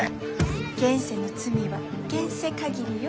現世の罪は現世限りよ。